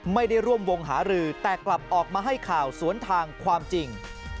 ไม่ได้ร่วมวงหารือแต่กลับออกมาให้ข่าวสวนทางความจริง